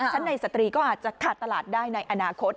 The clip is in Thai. ชั้นในสตรีก็อาจจะขาดตลาดได้ในอนาคต